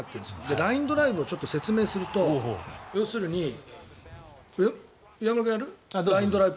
ラインドライブを説明すると要するに岩村君やる？